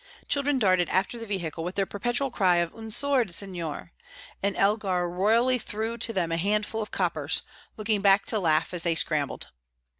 Children darted after the vehicle with their perpetual cry of "Un sord', signor!" and Elgar royally threw to them a handful of coppers, looking back to laugh as they scrambled.